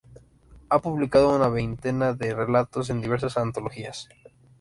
Ha publicado una veintena de relatos en diversas antologías.